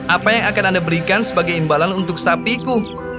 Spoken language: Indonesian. apa yang akan anda berikan sebagai imbalan untuk sapiku